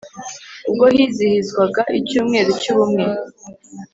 ubwo hizihizwaga Icyumweru cy Ubumwe